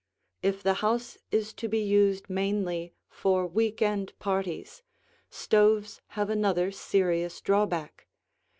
If the house is to be used mainly for week end parties, stoves have another serious drawback.